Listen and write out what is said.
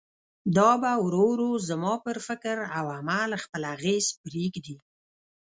دا به ورو ورو زما پر فکر او عمل خپل اغېز پرېږدي.